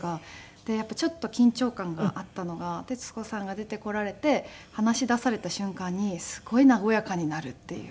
でやっぱりちょっと緊張感があったのが徹子さんが出てこられて話しだされた瞬間にすごい和やかになるっていう。